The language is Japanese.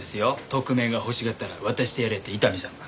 特命が欲しがったら渡してやれって伊丹さんが。